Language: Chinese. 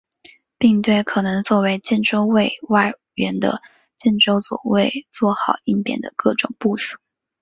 并对可能作为建州卫外援的建州左卫作好应变的各种部署。